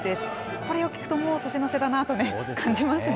これを聴くともう年の瀬だなと感じますね。